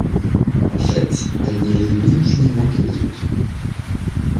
En fait, elle ne l'est ni plus ni moins que les autres.